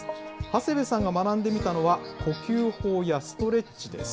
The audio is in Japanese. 長谷部さんが学んでみたのは、呼吸法やストレッチです。